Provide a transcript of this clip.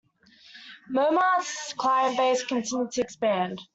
Momart's client base continued to expand.